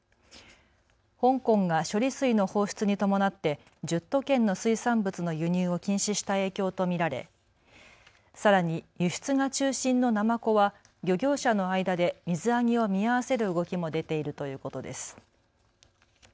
香港が処理水の放出に伴って１０都県の水産物の輸入を禁止した影響と見られさらに輸出が中心のナマコは漁業者の間で水揚げを見合わせる動きも出ているということです。